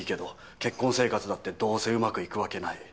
結婚生活だってどうせうまくいくわけない。